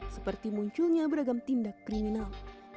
seperti munculnya beragam tindak kriminal